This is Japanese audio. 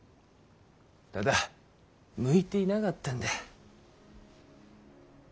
ただ向いていなかったんだ。